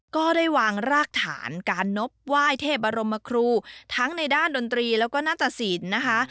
ก็ได้วางรากฐานการนบไหว้เทพบรมครูทั้งในด้านดนตรีแล้วก็นาตสินนะคะ